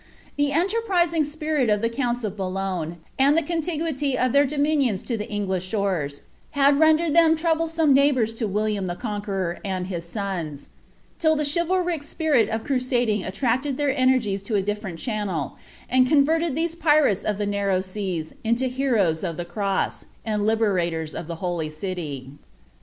The enterprising spirit of the conDU of Boulogne, and the contiguity of their dominions to tlie Envliih shores, had rendered them troublesome neighbours to William the Coih (lucrnr and his sons, lill the chivalric spirit of crusading attracted ili«ir encieies to a different channel, and converted these pirates of the ni «e8s into heroes of the cross, and liberators of the holy city.